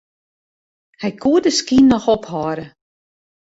Hy koe de skyn noch ophâlde.